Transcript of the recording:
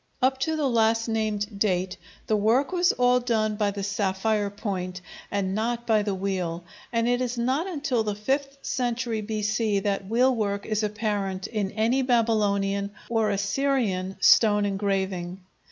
Up to the last named date the work was all done by the sapphire point, and not by the wheel, and it is not until the fifth century B.C. that wheel work is apparent in any Babylonian or Assyrian stone engraving.